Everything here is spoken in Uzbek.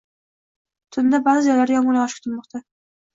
Tunda baʼzi joylarda yomgʻir yogʻishi kutilmoqda.